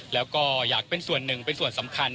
แล้วก็อยากเป็นส่วนหนึ่งเป็นส่วนสำคัญ